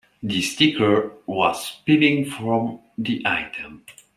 The sticker was peeling from the item.